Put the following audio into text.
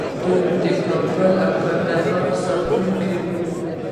دوی د کابل او ګندهارا ساتونکي وو